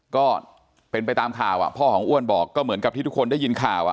ก็เป็นไปตามข่าวพ่อของอ้วนบอกก็เหมือนกับที่ทุกคนได้ยินข่าว